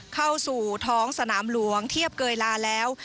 เข้าสู่ท้องสนามหลวงเทียบเกยลาแล้ว